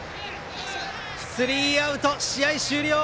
スリーアウト、試合終了。